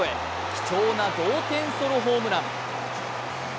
貴重な同点ソロホームラン。